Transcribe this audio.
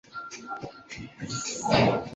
曷为先言王而后言正月？